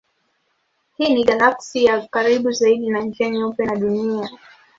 Hii ni galaksi ya karibu zaidi na Njia Nyeupe na Dunia.